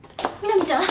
南ちゃん！